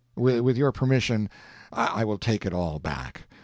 With your permission, I will take it all back.